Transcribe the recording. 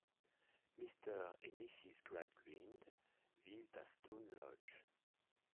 Mr et Mrs Gradgrind vivent à Stone Lodge.